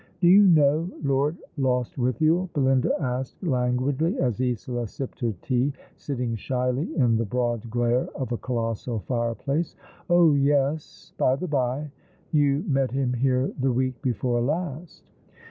" Do yon know Lord Lostwithiel ?" Belinda asked languidly, as Isola sipped her tea, sitting shyly in the broad glare of a colossal fireplace. " Oh yes, by the by, you met him here the week before last."